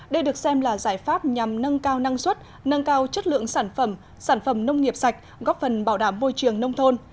đây được xem là giải pháp nhằm nâng cao năng suất nâng cao chất lượng sản phẩm sản phẩm nông nghiệp sạch góp phần bảo đảm môi trường nông thôn